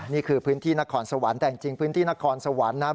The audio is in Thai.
นี่คือพื้นที่นครสวรรค์แต่จริงพื้นที่นครสวรรค์นะครับ